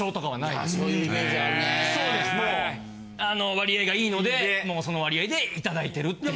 割合が良いのでその割合でいただいてるっていう。